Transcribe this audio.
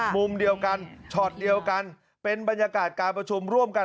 มุมเดียวกันช็อตเดียวกันเป็นบรรยากาศการประชุมร่วมกัน